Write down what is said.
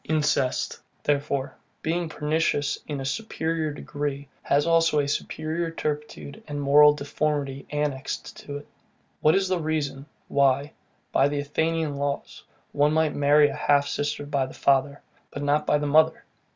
Incest, therefore, being PERNICIOUS in a superior degree, has also a superior turpitude and moral deformity annexed to it. What is the reason, why, by the Athenian laws, one might marry a half sister by the father, but not by the mother?